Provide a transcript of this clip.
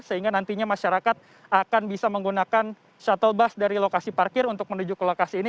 sehingga nantinya masyarakat akan bisa menggunakan shuttle bus dari lokasi parkir untuk menuju ke lokasi ini